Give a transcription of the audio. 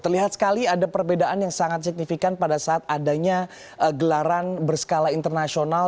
terlihat sekali ada perbedaan yang sangat signifikan pada saat adanya gelaran berskala internasional